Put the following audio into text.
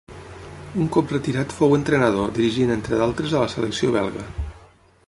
Un cop retirat fou entrenador, dirigint, entre d'altres a la selecció belga.